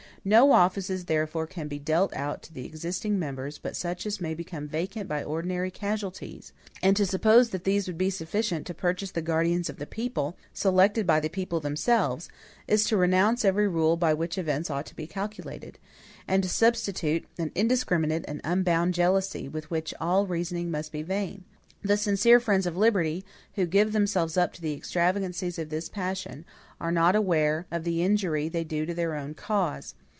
No offices therefore can be dealt out to the existing members but such as may become vacant by ordinary casualties: and to suppose that these would be sufficient to purchase the guardians of the people, selected by the people themselves, is to renounce every rule by which events ought to be calculated, and to substitute an indiscriminate and unbounded jealousy, with which all reasoning must be vain. The sincere friends of liberty, who give themselves up to the extravagancies of this passion, are not aware of the injury they do their own cause.